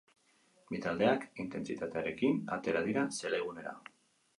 Bi taldeak intentsitatearekin atera dira zelaigunera.